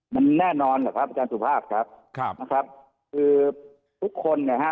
มันแน่นอนแหละครับอาจารย์สุภาพครับคือทุกคนเนี่ยฮะ